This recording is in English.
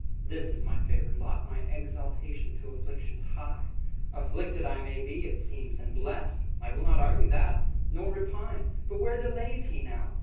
This is my favoured lot, My exaltation to afflictions high! Afflicted I may be, it seems, and blest! I will not argue that, nor will repine. But where delays he now?